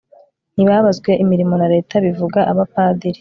ntibabazwe imirimo na leta; bivuga abapadiri